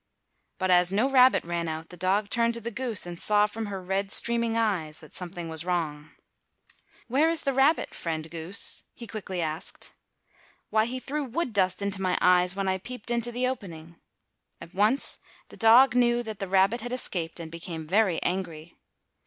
But as no rabbit ran out the dog turned to the goose and saw from her red, streaming eyes that something was wrong. "Where is the rabbit, friend goose?" he quickly asked. "Why, he threw wood dust into my eyes when I peeped into the opening." At once the dog knew that the rabbit had escaped and became very angry.